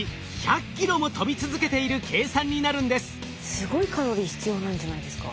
すごいカロリー必要なんじゃないですか？